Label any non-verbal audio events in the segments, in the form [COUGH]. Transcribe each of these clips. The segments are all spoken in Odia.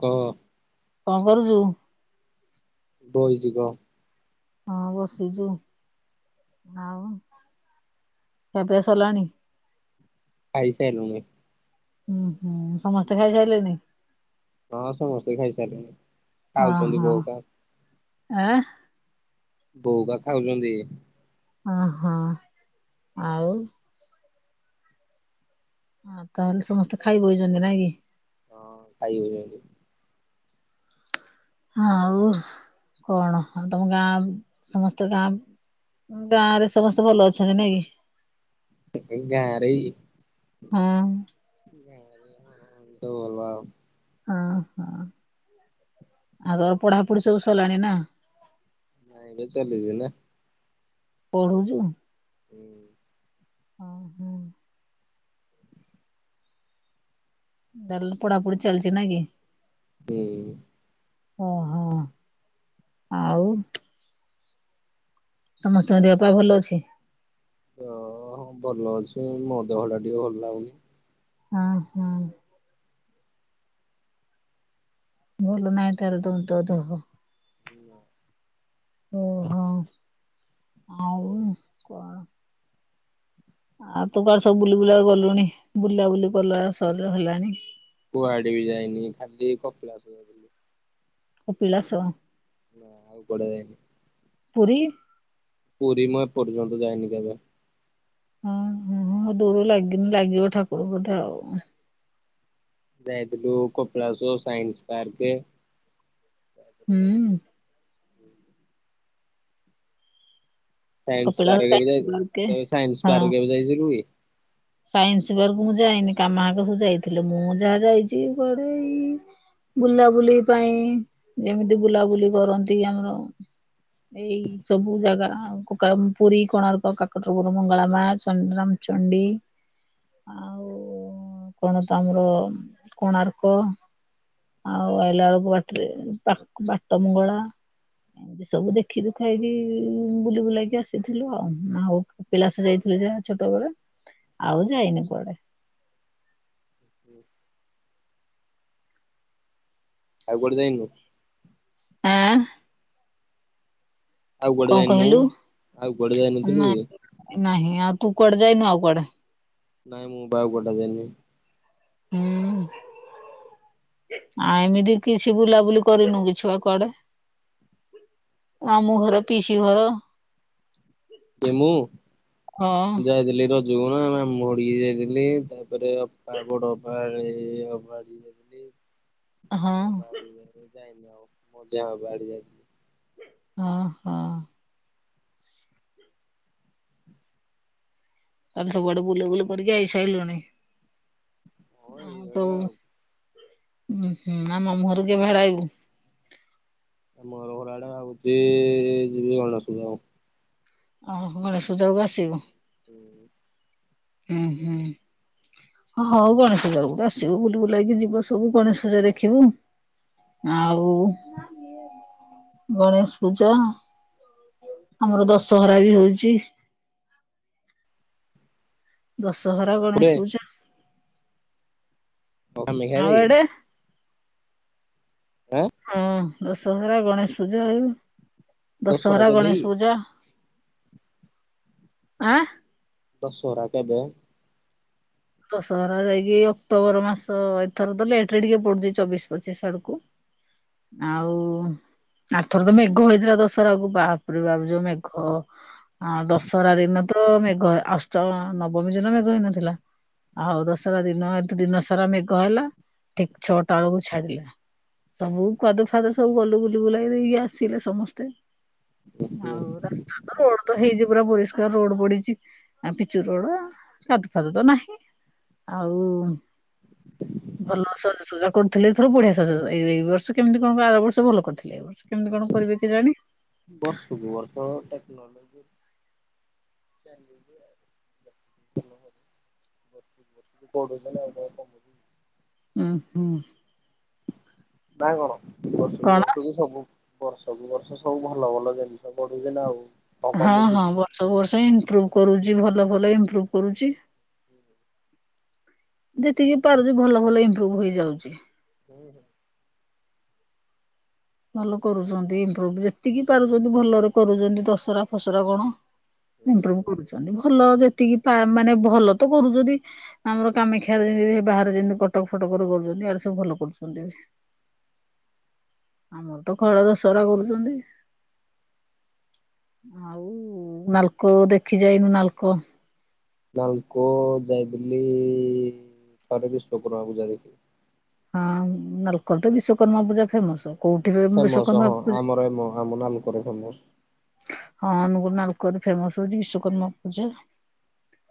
ହାଲୋ। କଁ କରଚୁ? ବଇଚି କହ। ହଁ ବସିଚୁ ଆଉ? ଖିଆପିଆ ସଲାଣି? ଖାଇ ସାଇଲୁନି। ଉଁ ହୁଁ ସମସ୍ତେ ଖାଇସାଇଲେନି। ହଁ ସମସ୍ତେ ଖାଇ ସାରିଲେନି ହଁ ଖାଉଛନ୍ତି ହଁ ବୋଉହକା। ଆଁ ବଉକା ଖାଉଛନ୍ତି। ଅ ହ ଆଉ। ହଁ ତାହେଲେ ସମସ୍ତେ ଖାଇ ବଇଛନ୍ତି ନାଇଁ କି? ହଁ ଖାଇବଇଛନ୍ତି। ଆଉ କଣ ଆଉ ତମ ଗାଁ ସମସ୍ତ ଗାଁ ଗାଁ ରେ ସମସ୍ତେ ଭଲ ଅଛନ୍ତି ନାଇ କି। ଟିକେ ଗାଁରେ କି? ହଁ ଅଂ। ସବୁ ଭଲ ଆଉ। ହଁ ହ ଆଉ ଆଉ ପଢାପଢି ସବୁ ସଲାଣି ନା। ନାଇଁ ଏବେ ଚାଲିଚି ନା। ପଢୁଚୁ? ଅ ହୁଁ। ତାହାଲେ ପଢାପଢ଼ି ଚାଲିଚି ନାଁଇକି। ହୁଁ [INAUDIBLE] ଓହୋ ଆଉ। ସମସ୍ତଙ୍କ ଦେହପା ଭଲ ଅଛି। ହଁ ଭଲ ଅଛି ମୋ ଦେହ ଟା ଟିକେ ଭଲ ଲାଗୁନି। ହଁ ହଁ। ଭଲ ନାହିଁ ତାହେଲେ ତମ ତୋ ଦେହ। ହୁ [INAUDIBLE] ଓହୋ ଆଉ କଣ? ଆଉ ତୁ କୁଆଡେ ସବୁ ବୁଲି ବୁଲା ଗଲୁଣି ବୁଲା ବୁଲି କଲା ସହଜ ହେଲାଣି। କୁଆଡେ ବି ଯାଇନି ଖାଲି କପିଳାସ ଯାଇଥିଲି। କପିଳାସ। ନା ଆଉ କୁଆଡେ ଯାଇନି। ପୁରୀ ପୁରୀ ମୁ ଏପର୍ଯ୍ୟନ୍ତ ଯାଇନି କେବେ। ହଁ ହ ହଁ ଡୋର ଲାଗିନି ଲାଗିବ ଠାକୁରଙ୍କଠେ ଆଉ। ଯାଇଥିଲୁ କପିଲାସ ସାଇନ୍ସ ପାର୍କେ। ତାପରେ, ହୁଁ ସାାଇନ୍ସ କପିଳାସ ପାର୍କେ ବି ସାଇନ୍ସ ଯାଇଥିଲୁ ପାର୍କ ତ ସାଇନ୍ସ ହଁ ପାର୍କେ କେବେ ଜାଇ ଥିଲୁ କି? ସାଇନ୍ସ ପାର୍କ ମୁଁ ଯାଇନି କାମା ହାକା ସବୁ ଯାଇଥିଲେ ମୁଁ ଯାହା ଯାଇଛି କୁଆଡେ ଏଇ ବୁଲାବୁଲି ପାଇଁ ଯେମିତି ବୁଲାବୁଲି କରନ୍ତି ଆମର ଏଇ ସବୁ ଜାଗା ପୁରୀ କୋଣାର୍କ କାକଟରପୁର ମଙ୍ଗଳା ମା ଚନ୍ଦ୍ରମ ଚଣ୍ଡି ଆଉ ଉଁ କଣ ତ ଆମର କୋଣାର୍କ। ଆଉ ଆଇଲା ବେଳୁକୁ ବାଟରେ ପା ବାଟ ମଙ୍ଗଳା। ଏମିତି ସବୁ ଦେଖି ଦୁଖାଇକି ବୁଲି ବୁଲେଇକି ଆସିଥିଲୁ ଆଉ ଆଉ କପିଳାସ ଯାଇ ଥିଲୁ ଯାହା ଛୋଟୋବେଳେ ଆଉ ଯାଇନି କୁଆଡେ। ଆଉ କୁଆଡେ ଯାଇନୁ। ଆଁ ଆଉ କୁଆଡେ କଁ ଯାଇନୁ? କହିଲୁ ଆଉ କୁଆଡେ ଯାଇନଥିଲୁ କି? ନାଇଁ ନାହିଁ ଆଉ ତୁ କୁଆଡେ ଯାଇନୁ ଆଉ କୁଆଡେ। ନାଇଁ ମୁଁ ପା ଆଉ କୁଆଡ଼େ ଯାଇନି। ହୁଁ। ଆ ଏମିତି କିଛି ବୁଲାବୁଲି କରିନୁ କିଛି ଆଉ କୁଆଡେ। ମାମୁଁଘର ପିଇସିଘର। କିଏ ମୁଁ ଯାଇଥିଲି ର ଜକୁ ନା ମାମୁଁ ଘଟିକି ଯାଇଥିଲି ତାପରେ ଅପା ବଡଅପା। [UNINTELLIGIBLE] [INAUDIBLE] ହଁ ସାନ ଅପା ଘଟିକି ଜମାରୁ ଯାଇନି ଆଉ ମଝିଆ ଅପା ଘଟିକି ଯାଇଥିଲି। ଅହଁ। ତାହେଲେ ସବୁଆଡେ ବୁଲାବୁଲି କରିକି ଆଇସାଇଲୁଣି। ହଁ ଏଇଭଳିଆ ଆଉ। ଉହୁଁ ଆଉ ମାମୁଁ ଘରକୁ କେବେ ହେରା ଆଇବୁ। ମାମୁଁ ଘର ଘର ଆଡେ ଭାବୁଚି ଯିବି ଗଣେଷ ପୂଜାକୁ। ଅଃ ଗଣେଷ ପୂଜା କୁ ଆସିବୁ। ହୁଁ। ଉଁହୁଁ। ହଁ ହଉ ଗଣେଶ ପୂଜା ବେଳୁକୁ ତ ଆସିବୁ ବୁଲି ବୁଲାକି ଯିବ ସବୁ ଗଣେଶ ପୂଜା ଦେଖିବୁ। ଆଉ ଗଣେଶ ପୂଜା ଆମର ଦଶହରା ବି ହୋଉଚି। ଦଶହରା କୋଉଠେ ଗଣେଶ ପୂଜା। ଓ ଆଉ କମେକ୍ଷାରେ କି। ଏଡେ ହଁ ଦଶହରା ଗଣେଶ ପୂଜା ଆଉ ଦଶହରା କେବେ କି? ଗଣେଶ ପୂଜା। ଆଁ ଦଶହରା କେବେ? ଦଶହରା ଯାଇକି ଅକ୍ଟୋବୋର ମାସ ଏଥର ତ ଲେଟ୍ ରେ ଟିକେ ପଡୁଚି ଚବିଶ ପଚିଶି ଆଡୁକୁ। ଆଉ ଆର ଥର ତ ମେଘ ହୋଇଥିଲା ଦଶହରା କୁ ବାପରେ ବାପ୍ ଯୋଉ ମେଘ। ହଁ ଦଶହରା ଦିନ ତ ମେଘ ଅଷ୍ଟମ ନବମୀ ଦିନ ମେଘ ହେଇନଥିଲା। ଆଉ ଦଶରା ଦିନ ଏନ୍ତି ଦିନ ସାରା ମେଘ ହେଲା ଠିକ ଛଅଟା ଆଳୁକୁ ଛାଡିଲା। ସବୁ କାଦୁଅ ଫାଦୁଅରେ ସବୁ ଗୁଲୁ ବୁଲିବୁଲାଇ ଦେଇକି ଆସିଲେ ସମସ୍ତେ। ହୁଁ ଆଉ ରାସ୍ତା ତ ରୋଡ୍ ତ ହେଇଯି ପୁରା ପରିଷ୍କାର ରୋଡ୍ ପଡିଚି ଆଁ ପିଚୁ ରୋଡ୍ କାଦୁ ଫାଦୁ ତ ନାହିଁ। ଆଉ ଭଲ ସଜସଜା କରୁଥୁଲେ ଏଥର ବଢିଆ ସାଜସଜା ଏଇ ଏଇ ବର୍ଷ କେମିତି କଣ ଆର ବର୍ଷ ଭଲ କରିଥିଲେ ଏଇ ବର୍ଷ କେମିତି କଣ। କରିବେ କେଜାଣି। ବର୍ଷ କୁ ବର୍ଷ ଟେକ୍ନୋଲୋଜି [UNINTELLIGIBLE] ଉଁହୁଁ। ନା କଣ ବର୍ଷୁକୁ କଣ ବର୍ଷକୁ ସବୁ ବର୍ଷକୁ ବର୍ଷ ସବୁ ଭଲ ଭଲ ଜିନିଷ ଗଢ଼ିବେ ନା ଆଉ। କଣ ହଁ କମୁଛି ହଁ କି? ବର୍ଷକୁ ବର୍ଷ ଇମ୍ପ୍ରୋଭ କରୁଚି ଭଲ ଭଲ ଇମ୍ପ୍ରୁଭ କରୁଛି। ଯେତିକି ପାରୁଛି ଭଲ ଭଲ ଇମ୍ପ୍ରୁଭ ହେଇଯାଉଚି। ହୁଁ। ଭଲ କରୁଛନ୍ତି ଇମ୍ପ୍ରୁଭ ଯେତିକି ପାରୁଛନ୍ତି ଭଲରେ କରୁଛନ୍ତି ଦସରା ଫସରା କଣ ଇମ୍ପ୍ରୁଭ କରୁଛନ୍ତି ଭଲ ଯେ ତିକି ମାନେ ଭଲ ତ କରୁଛନ୍ତି ଆମର କାମାକ୍ଷାରେ ଯେମିତି ବାହାରେ ଯେମିତି କଟକ ଫଟକରେ କରୁଛନ୍ତି ଇଆଡ଼େ ସବୁ ଭଲ କରୁଛନ୍ତି। ଆମର ତ କଳା ଦସହରା କରୁଛନ୍ତି। ଆଉ ନାଲକୋ ଦେଖି ଯାଇନୁ ନାଲକୋ ନାଲକୋ ଯାଇଦିଲି ଥରେ ବିିଶ୍ଵକର୍ମା ପୂଜା ଦେଖି। ହଁ, ନାଲକୋ ରେ ବିଶ୍ଵକର୍ମା ପୂଜା ଫେମସ କୋଉଠି ଫେମସ ବିଶ୍ଵକର୍ମା ପୂଜା ହଁ, ମୁଁ ନାଲକୋ ରେ ସବୁ ହଁ, ଅନୁଗୁଳ ନାଲକୋ ରେ ଫେମସ ହଉଛି ବିଶ୍ଵକର୍ମା ପୂଜା।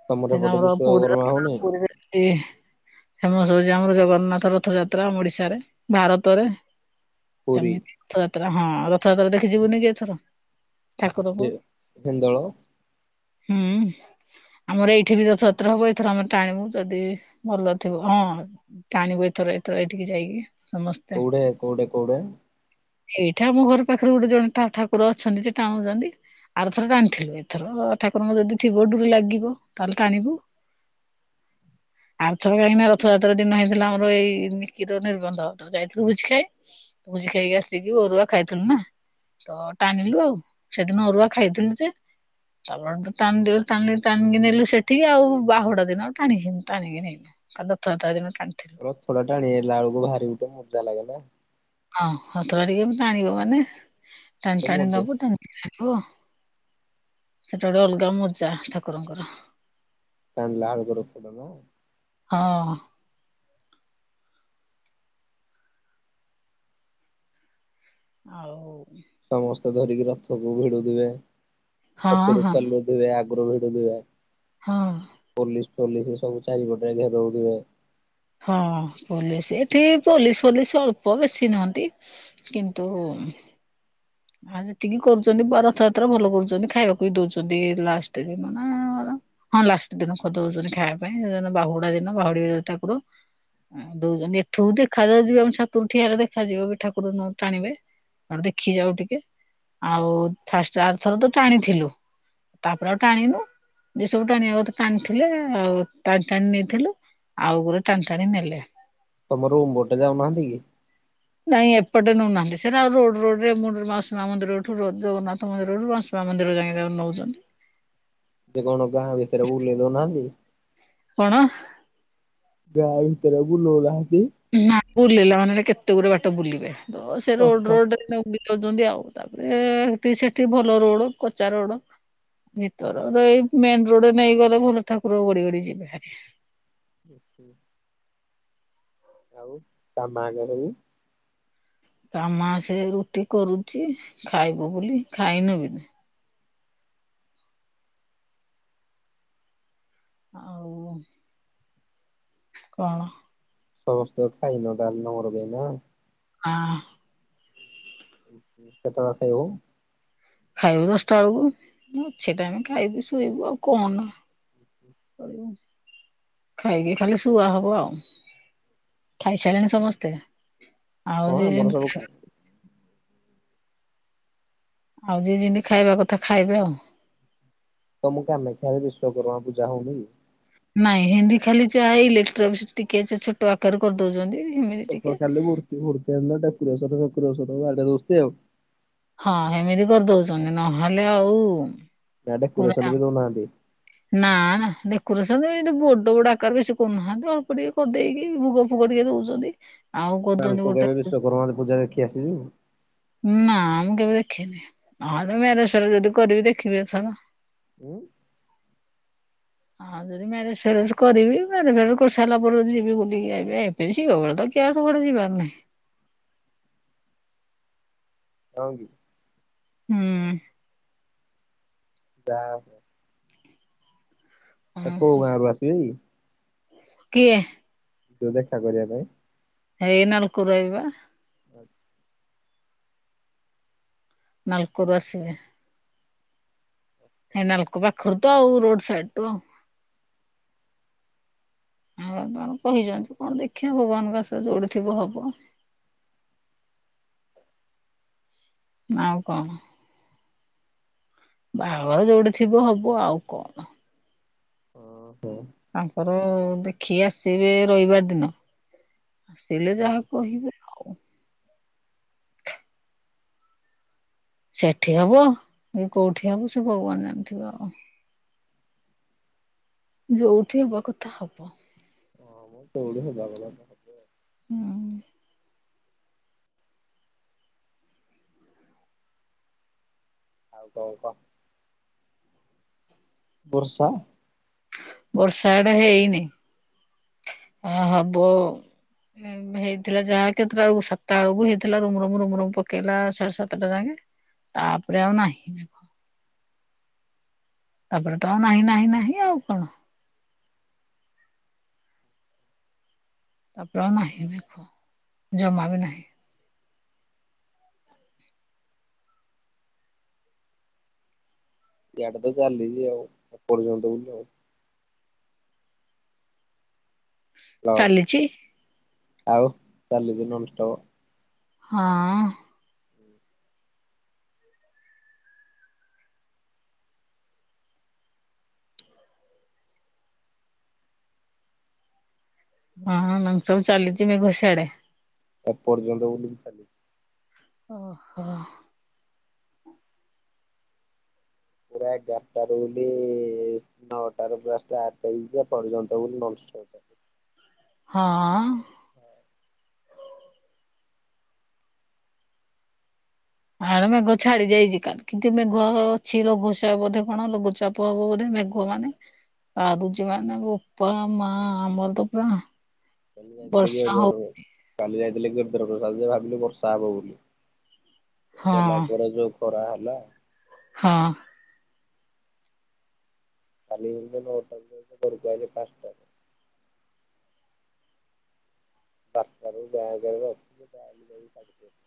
ତମର ଏପଟେ ଆମର ପ ବିଶ୍ଵକର୍ମା ହଉନି ପୁରୀ ଫେମସ ହଉଛି ଆମର ଜଗନ୍ନାଥ ରଥ ଯାତ୍ରା ଓଡିଶାରେ ଭାରତରେ। ପୁରୀ ସେମିତି ରଥଯାତ୍ରା ହଁ ରଥଯାତ୍ରା ଦେଖିଯିବୁନି ଏଥର। ଠାକୁରଙ୍କୁ ଯେ ହିନ୍ଦଳ। ହୁଁ। ଆମର ଏଇଠି ବି ରଥଯାତ୍ରା ହବ ଏଥର ଆମେ ଟାଣିବୁ ଯଦି ଭଲ ଥିବ ହଁ ଟାଣିବୁ ଏଥର ତ ଏତିିକି ଯାଇକି। କେଉଡେ କେଉଡେ କେଉଡେ? ଏଇଟା ଆମ ଘର ପାଖରେ ଗୋଟେ ଜଣେ ଠାକୁର ଅଛନ୍ତି ସେ ଟାଣୁଛନ୍ତି। ଆର ଥର ଟାଣିଥିଲୁ ଏଥର ଠାକୁରଙ୍କ ଯଦି ଥିବ ଡୋରି ଲାଗିବ ତାହେଲେ ଟାଣିବୁ। [UNINTELLIGIBLE] ଆଉ ଥରେ କାହିଁକିନା ରଥଯାତ୍ରା ଦିନ ହେଇଥିଲା ଆମର ଏଇ ନିକିର ନିର୍ବନ୍ଧ ତ ଯାଇଥିଲୁ ଭୋଝି ଖାଇ। ତ ଭୋଜି ଖାଇକି ଆସିକି ଅଧୁଆ ଖାଇଥିଲୁ ନା ତ ଟାଣିଲୁ ଆଉ। ସେଦିନ ଅରୁଆ ଯାଇଥିଲି ଯେ ଚାଣ ତ ଟିଲ ଟାଣିକି ନେଲୁ ସେଠିକି ଆଉ ବାହୁଡା ଦିନ ଆଉ ଟାଣିକି ଟାଣିକି ନେଲୁ। ରଥଯାତ୍ରା ଦିନ ଟାଣିଥିଲୁ। ରଥଟା ଟାଣି ଆଣିଲା ବେଳକୁ ଭାରି ଗୋଟେ ମଜା ଲାଗିଲା। ହଁ ସତକା ଟିକେ ଟାଣିବ ମାନେ ଟାଣି ଗୋଟେ ଟାଣି ମଜା ନବ ଟାଣି ଓ ସେତଳେ ଅଲଗା ମଜା ଠାକୁରଙ୍କର। କଣ [UNINTELLIGIBLE] ହଁ। ଆଉ ର ଧରିକି ରଥକୁ ଭିଡୁ ଦେବେ ହଁ ପଛରୁ ହଁ ଚାଲଥିବେ ଆଗରୁ ଭିଡୁ ଦେବେ। ହଁ। ପୋଲିସ ସବୁ ଚାରିପଟେ ଘେରଉ ଯିବେ। ହଁ ପୋଲିସ ଏଠି ପୋଲିସ ପୋଲିସ ଅଳ୍ପ ବେଶୀ ନୁହନ୍ତି କିନ୍ତୁ ହୁଁ। ଆ ଯେତିକି କରୁଛନ୍ତି ରଥ ଯାତ୍ରା ଭଲ କରୁଛନ୍ତି ଖାଇବାକୁ ବି ଦଉଛନ୍ତି ଲାଷ୍ଟରେ [UNINTELLIGIBLE] ହଁ ଲାଷ୍ଟ ଦିନ ଖୋଦଉଛନ୍ତି ଖାଇବା ପାଇଁ ସେଦ ବାହୁଡା ଦିନ ବାହୁଡିବେ ଠାକୁର। ଦଉଛନ୍ତି ଏଠୁ ଦେଖାଯାଉ ଯିବ ଆମ ଛାତରୁ ଠିଆହେଲେ ଦେଖାଯିବ ବି ଠାକୁର ଟାଣିବେ। ଦେଖି ଯାଉ ଟିକେ ଆଉ ଫାଷ୍ଟ ଆରଥର ତ ଟାଣିଥିଲୁ। ତାପରେ ଆଉ ଟାଣିନୁ ଯେ ସବୁ ଟାଣିବା ଟାଣିଥିଲେ ଆଉ ଟାଣି ଟାଣି ନେଇଥିଲୁ। ଆଉ ଗୁରେ ଟାଣି ଟାଣି ନେଲେ। ତମର ରୁମ୍ ବୋଟେ ଯାଉନାହାନ୍ତି କି? ନାଇଁ ଏପଟେ ନଉନାହାନ୍ତି ସେରା ରୋଡ ରୋଡରେ ମୁଁ ମାସ ମନ୍ଦିର ଜଗନ୍ନାଥ ମନ୍ଦିରରୁ ମାସ ମନ୍ଦିର ଯାଇ ତାକୁ ନଉଛନ୍ତି। ଯେ କଣ ଗାଁ ଭିତରେ ବୁଲେଇ ଦଉନାହାନ୍ତି। କଣ? ଗାଁ ଭିତରେ ବୁଲୁ ହେଲା ନା ବୁଲିଲା ମାନେ ଏ କେତେ ଗୁଡେ ବାଟ ବୁଲିବେ। ତ ସେ ରୋଡ ଓହୋ। ରୋଡ ରେ ନେଉ ଛନ୍ତି ଆଉ। ତାପରେ ହେଟି ସେଠି ଭଲ ରୋଡ, କଚା ରୋଡ ଭିତରର ଏଇ ମେନ ରୋଡରେ ନେଇଗଲେ, ଭଲ ଠାକୁର ଗଡି ଗଡି ଯିବେ। [INAUDIBLE] ଆଉ ତା ମା ଯାଇନି? ତା ମା ସେ ରୁଟି କରୁଛି। ଖାଇବ ବୋଲି। ଖାଇନ ବିିନି ଆଉ କଣ? ସମସ୍ତେ ଖାଇନ, ତାଲ ନମର ଦେଇନା ହଁ। କେତେବେଳେ ଖାଇବୁ? ଖାଇବୁ ଦଶଟା ବେଳକୁ। ଅଛି ଟାଇମ୍ ଖାଇକି ଶୋଇବୁ ଆଉ। କଣ? ଖାଇକି ଖାଲି ଶୁଆ ହବ ଆଉ। ଖାଇସାରିଲେଣି ସମସ୍ତେ? ହଁ ଆଉ ଦି ଆମର ଦିନି ସବୁ ଖାଏ ଆଉ ଦି ଦିନି ଖାଇବା କଥା ଖାଇବେ ଆଉ। ତମ କାମାକ୍ଷା ରେ ବିଶ୍ଵକର୍ମାପୂଜା ହଉନି କି? ନାଇଁ ହେନ୍ଦୀ ଖାଲି ଯାହା ଇଲେଟ୍ରିକ ଅଫିସ ରେ, ଟିକେ ଆ-ଛୋଟ ଆକାରରେ କରିଦଉଛନ୍ତି। ଏମିତି ଟିକେ ଏପଟେ ଖାଲି ମୂର୍ତ୍ତୀ ଫୁର୍ତ୍ତି ଆଣି ଖାଲି ଡେକରେସନ୍, ଫେକରସନ୍ ଆଣି ବାଡ଼େଇ ଦେଉଛନ୍ତି ଆଉ। ହଁ ହେମିତି କରିଦଉଛନ୍ତି ନହେଲେ ଆଉ ନା ପୁରା ଡେକୋରେସନ୍ ବି ଦଉନାହାନ୍ତି। ନା ନା, ଡେକୋରେସନ ଏଇ ବଡ ବଡ ଆକାର ବେଶୀ କରୁନାହାନ୍ତି। ଅଳ୍ପ ଟିକେ କରି ଦେଇକି ଭୋଗ ଫୋଗ ପୁଡିଆ ଦଉଛନ୍ତି। ଆଉ କରୁଛନ୍ତି ନାଲକୋ ଗୋଟେ କାଳେ ବିଶ୍ଵକର୍ମା ପୂଜା ଦେଖି ଆସିଛୁ। ନା ମୁଁ କେବେ ଦେଖିନି। ଆ ମ୍ୟାରେଜ ପ୍ୟାରେଜ ଯୋଉଠି କରିବି ଦେଖିବି ଏଥର। ଉଁ। ହଉ ଯଦି ମ୍ୟାରେଜ ଫ୍ୟାରେଜ କରିବି। ମ୍ୟାରେଜ ଫେରଜ କରି ସାରିଲା ପରେ, ଯିବି ବୁଲିକି ଆଇବି ଆଉ। ଏବେ ଝିଅ ବେଳେ କିଆ କୁଆଡେ ଯିବାର ନାହିଁ। ହଁ କି। ହୁଁ। ଯା ହଉ। ଆ କୋଉ ଗାଁ ରୁ ଆସି ବେକି? କିଏ ଯୋଉ ଦେଖା କରିବା ପାଇଁ? ହେଇ ନାଲକୋ ରୁ ଆଇବେ ପା। ଆ ନାଲକୋ ରୁ ଆସିବେ। ହେ ନାଲକୋ ପାଖରୁ ତ ଆଉ ରୋଡ ସାଇଟ ରୁ ଆଉ। ଆଉ ତାଙ୍କର କହିଛନ୍ତି କଣ ଦେଖିବା ଭଗବାନଙ୍କ ଆଶୀର୍ବାଦ ଯୋଉଠି ଥିବ ହବ। [INAUDIBLE] ଆଉ କଣ? ବାହାଘର ଯୋଉଠି ଥିବ ହବ। ଆଉ କଣ? ଓହୋ ହଁ ତାଙ୍କର ଦେଖି ଆସିବେ ରଇବାର ଦିନ। ଆସିଲେ ଯାହା କହିବ ଆଉ। ସେଠି ହବ କି କୋଉଠି ହବ, ସେ ଭଗବାନ ଜାଣିଥିବ ଆଉ। ଯୋଉଠି ହବା କଥା ହବ। ହଁ ମ ଯୋଉଠି ହବା କଥା ତ ହବ। ହୁଁ ଆଉ କଣ କହ? ବର୍ଷା ବର୍ଷା ଇଆଡ଼େ ହେଇନି। ଆ ହବ। ହେଇଥିଲା ଯାହା କେତେଟା ବେଳୁ, ସାତଟା ବେଳକୁ ହେଇଥିଲା। ରୁମ, ରମ, ରୁମ, ରୁମ-ପକେଇଲା ସାଢେ ସାତଟା ଯାଙ୍କେ। ତାପରେ ଆଉ ନାହିଁ। ତାପରେ ତ ଆଉ ନାହିଁ ନାହିଁ ନାହିଁ ଆଉ କଣ। ତାପ ଆଉ ନାହିଁ ଦେଖ ଜମା ବି ନାହିଁ। ଏଇଡେ ତ ଚାଲିଛି ଆଉ ଏପ୍ରଯନ୍ତ [INAUDIBLE] ହ୍ୟାଲୋ ଚାଲିଚି? ଆଉ ଚାଲିଛି ନନଷ୍ଟପ। ହଁଅ। ହଁ ନାନଷ୍ଟପ ଚାଲିଛି ମେଘ ସିଆଡେ। ଏପର୍ଯ୍ୟନ୍ତ ବୋଲି ଚାଲି ଓ ହୋ। ପୁରା ଏଗାରଟା ରୁ ବୋଲି ନଅଟା ରୁ ଷ୍ଟାର୍ଟ ହେଇକି ଏପର୍ଯ୍ୟନ୍ତ ବୋଲି ନ ହଟ [INAUDIBLE] ହଁଅ। ଆ ମେଘ ଛାଡି ଯାଇଛି କାଲି କିନ୍ତୁ ମେଘ ଅଛି ଲଘୁଚାପ ବୋଧେ କଣ ଲଘୁଚାପ ହବ ବୋଧେ। ମେଘ ମାନେ ବାରୁଛି ମାନେ ବୋପା ମା ଆମର ତ ପୁରା କାଲି ଯାଇଥିଲେ ବର୍ଷା ଗରି ହଉ ଧର କାଲି ଯାଇଥିଲେ ଗିରିଧର ପ୍ରସାଦ ଭାବିଲେ ବର୍ଷା ହବ ବୋଲି। ହଁ ଗଲା ପରେ ଯୋଉ ଖରା ହେଲା। ହଁ। କାଲି ଗଲି ନଟା ରୁ ଘରକୁ ଆଇଲି ପାଞ୍ଚ ଟା ରୁ। ତା ପରେ [UNINTELLIGIBLE]